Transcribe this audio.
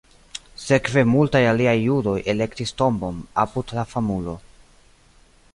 Sekve multaj aliaj judoj elektis tombon apud la famulo.